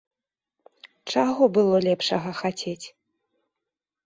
Чаго было лепшага хацець?!